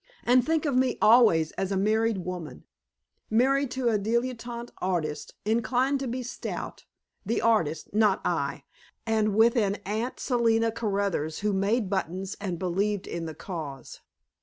and think of me always as a married woman, married to a dilettante artist, inclined to be stout the artist, not I and with an Aunt Selina Caruthers who made buttons and believed in the Cause.